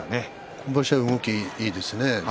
今場所は動きがいいですね。